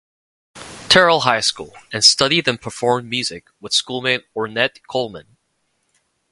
Terrell High School, and studied and performed music with schoolmate Ornette Coleman.